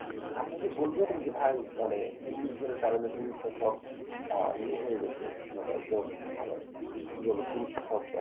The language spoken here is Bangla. তারা এদের নামও উল্লেখ করেছে।